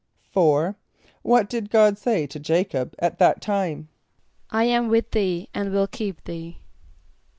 = =4.= What did God say to J[=a]´cob at that time? ="I am with thee and will keep thee."